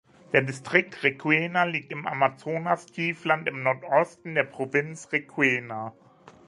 Der Distrikt Requena liegt im Amazonastiefland im Nordosten der Provinz Requena.